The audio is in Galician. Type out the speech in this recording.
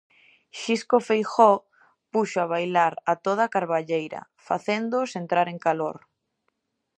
Xisco Feijóo puxo a bailar a toda a carballeira, facéndoos entrar en calor.